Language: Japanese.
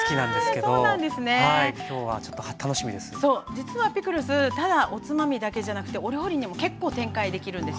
実はピクルスただおつまみだけじゃなくてお料理にも結構展開できるんです。